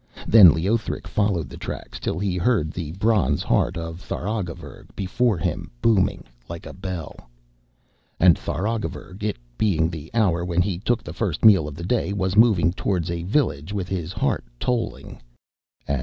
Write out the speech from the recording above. Then Leothric followed the tracks till he heard the bronze heart of Tharagavverug before him, booming like a bell. And Tharagavverug, it being the hour when he took the first meal of the day, was moving towards a village with his heart tolling.